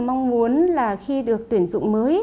mong muốn là khi được tuyển dụng mới